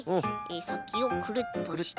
さきをくるっとして。